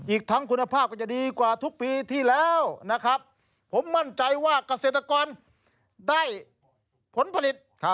อีกทั้งคุณภาพก็จะดีกว่าทุกปีที่แล้วนะครับผมมั่นใจว่าเกษตรกรได้ผลผลิต